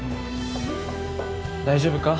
大丈夫か？